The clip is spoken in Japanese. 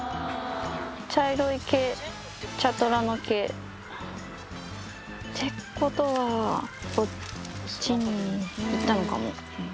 茶色い毛、茶トラの毛。ってことは、こっちに行ったのかも。